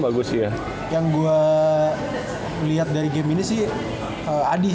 bagus ya yang gue lihat dari game ini sih adi